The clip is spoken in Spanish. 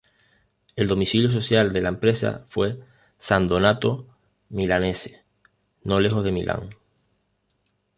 El domicilio social de la empresa fue San Donato Milanese, no lejos de Milán.